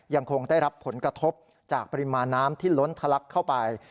ยังคงได้รับผลกระทบจากปริมาณน้ำที่ล้นทะลักเข้าไป